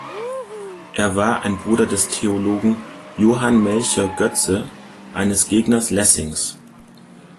Er war ein Bruder des Theologen Johann Melchior Goeze, eines Gegners Lessings.